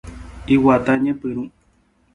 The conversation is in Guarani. Iguata ñepyrũ.